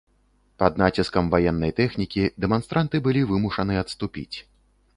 Пад націскам ваеннай тэхнікі, дэманстранты былі вымушаны адступіць.